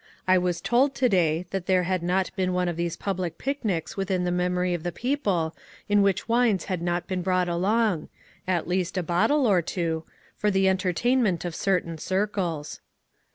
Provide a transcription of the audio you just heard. I was told, to day, that there had not been one of these public picnics within the memory of the people in which wines had not been brought along — at least a bottle or two — for the entertain ment of certain circles."